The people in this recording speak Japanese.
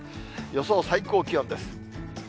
予想最高気温です。